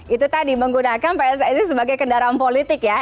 itu tadi menggunakan pssi sebagai kendaraan politik ya